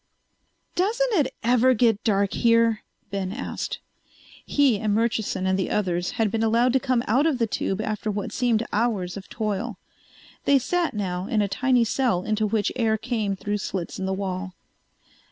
"Doesn't it ever get dark here?" Ben asked. He and Murchison and the others had been allowed to come out of the tube after what seemed hours of toil. They sat now in a tiny cell into which air came through slits in the wall.